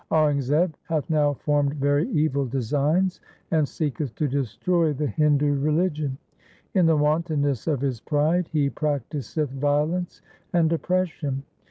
Aurangzeb hath now formed very evil designs and seeketh to destroy the Hindu religion. In the wantonness of his pride he practiseth violence and oppression.